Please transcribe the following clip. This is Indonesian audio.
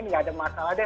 tidak ada masalah deh